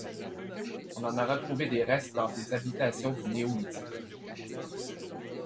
On en a retrouvé des restes dans des habitations du Néolithique.